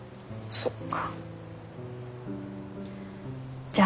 そっか。